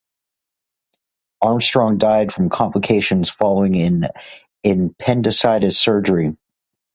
Armstrong died from complications following an appendicitis surgery.